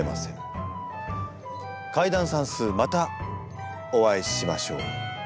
解談算数またお会いしましょう。